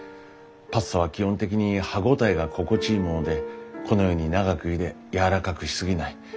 パスタは基本的に歯応えが心地いいものでこのように長くゆでやわらかくし過ぎない。